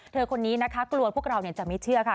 คนนี้นะคะกลัวพวกเราจะไม่เชื่อค่ะ